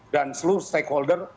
dan seluruh stakeholder